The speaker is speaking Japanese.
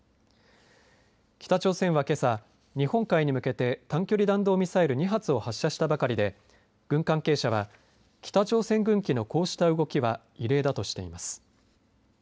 北朝鮮は、けさ日本海に向けて短距離弾道ミサイル２発を発射したばかりで軍関係者は北朝鮮軍機のこうした動きは異例だとしています。